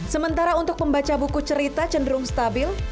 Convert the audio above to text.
sementara untuk pembaca buku cerita cenderung stabil